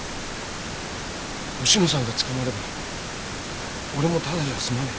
おしのさんが捕まれば俺もただじゃ済まねえ。